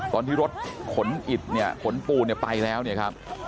ตอนที่รถผลอิตเนี่ยผลปูไปแล้วเนี่ยครับ